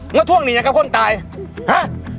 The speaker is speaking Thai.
งั้นทุ่งหนีอากับคนตายฮะ